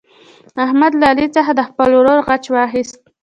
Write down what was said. احمد له علي څخه د خپل ورور غچ واخیست.